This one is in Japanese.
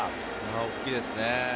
大きいですね。